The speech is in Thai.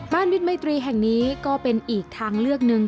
บ้านมิดเมตรีแห่งนี้ก็เป็นอีกทางเลือกหนึ่ง